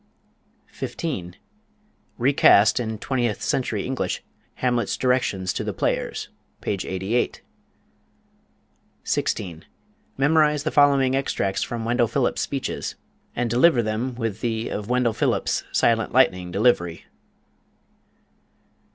15. Recast in twentieth century English "Hamlet's Directions to the Players," page 88. 16. Memorize the following extracts from Wendell Phillips' speeches, and deliver them with the of Wendell Phillips' "silent lightning" delivery.